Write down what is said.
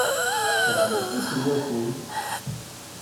Tesɛam aṭas n wakud.